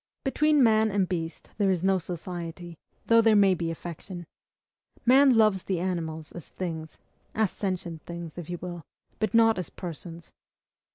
Between man and beast there is no society, though there may be affection. Man loves the animals as THINGS, as SENTIENT THINGS, if you will, but not as PERSONS.